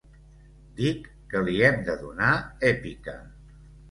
Dic que li hem de donar èpica.